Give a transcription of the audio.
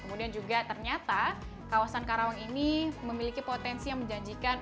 kemudian juga ternyata kawasan karawang ini memiliki potensi yang menjanjikan